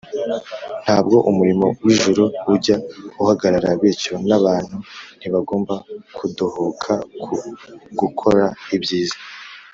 . Ntabwo umurimo w’ijuru ujya uhagarara, bityo n’abantu ntibagomba kudohoka ku gukora ibyiza